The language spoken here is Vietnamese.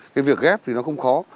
cái việc ghép thì nó không khó